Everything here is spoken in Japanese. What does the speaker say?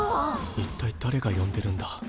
一体だれが呼んでるんだ。